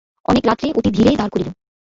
অনেক রাত্রে অতিধীরে দ্বার খুলিল।